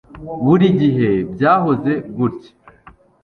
buri gihe byahoze gutya